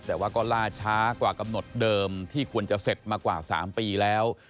แต่ว่าก็ล่าช้ากว่ากำหนดเดิมที่ควรจะเสร็จมากว่า๓ปีแล้ว